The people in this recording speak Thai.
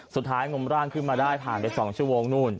งมร่างขึ้นมาได้ผ่านไป๒ชั่วโมงนู่น